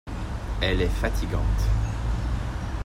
Elle est fatigante.